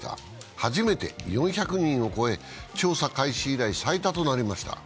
初めて４００人を超え、調査開始以来、最多となりました。